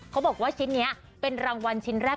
เขาบอกว่าชิ้นนี้เป็นรางวัลชิ้นแรก